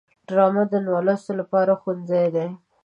ډرامه د نالوستو لپاره ښوونځی دی